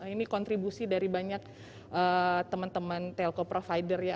ini kontribusi dari banyak teman teman telko provider ya